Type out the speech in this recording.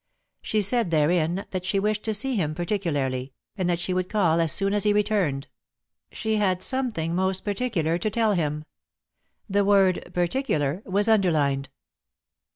She said therein that she wished to see him particularly, and that she would call as soon as he returned. She had something most particular to tell him. The word "particular" was underlined.